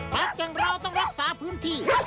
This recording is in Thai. อย่างเราต้องรักษาพื้นที่